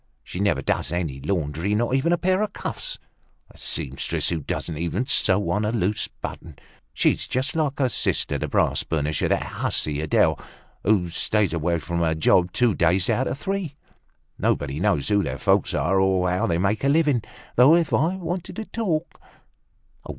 "She never does any laundry, not even a pair of cuffs. A seamstress who doesn't even sew on a loose button! She's just like her sister, the brass burnisher, that hussy Adele, who stays away from her job two days out of three. Nobody knows who their folks are or how they make a living. Though, if I wanted to talk